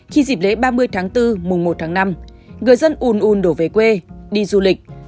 khi dịp lễ ba mươi tháng bốn mùng một tháng năm người dân un un đổ về quê đi du lịch